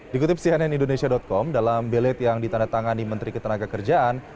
dikutip cnn indonesia com dalam belet yang ditandatangani menteri ketenaga kerjaan